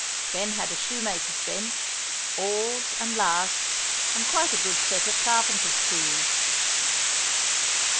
Ben had a shoe maker's bench, awls and lasts, and quite a good set of carpenter's tools.